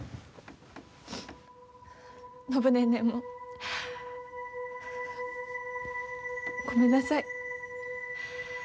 暢ネーネーもごめんなさい。